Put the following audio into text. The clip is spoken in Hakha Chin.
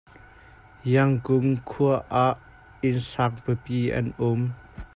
Yangon khua ah inn sang pipi an um.